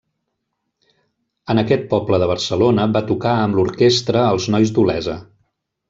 En aquest poble de Barcelona va tocar amb l'orquestra Els Nois d'Olesa.